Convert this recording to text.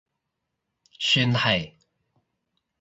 算係